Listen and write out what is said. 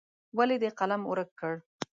ولې دې قلم ورک کړ.